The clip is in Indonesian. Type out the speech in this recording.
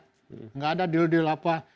tidak ada deal deal apa